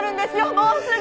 もうすぐ。